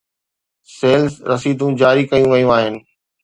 Sales رسيدون جاري ڪيون ويون آهن.